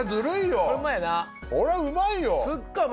これうまいよな。